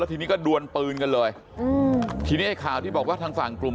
ทีนี้ก็ดวนปืนกันเลยอืมทีนี้ไอ้ข่าวที่บอกว่าทางฝั่งกลุ่ม